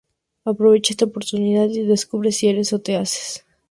Aprovecha esta oportunidad y descubre si eres... o te haces.